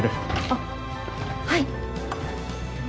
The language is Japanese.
あっはい。